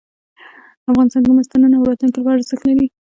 افغانستان کې مس د نن او راتلونکي لپاره ارزښت لري.